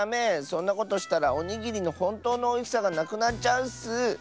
そんなことしたらおにぎりのほんとうのおいしさがなくなっちゃうッス！